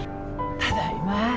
ただいま。